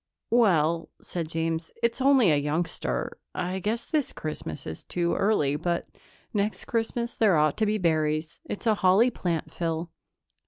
"Well," said James, "it's only a youngster. I guess this Christmas is too early, but next Christmas there ought to be berries. It's a holly plant, Phyl."